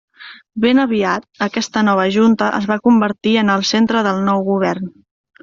Ben aviat, aquesta nova junta es va convertir en el centre del nou govern.